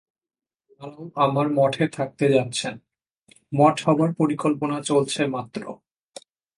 তাঁরাও আমার মঠে থাকতে যাচ্ছেন, মঠ হবার পরিকল্পনা চলছে মাত্র।